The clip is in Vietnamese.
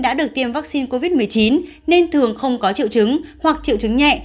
đã được tiêm vaccine covid một mươi chín nên thường không có triệu chứng hoặc triệu chứng nhẹ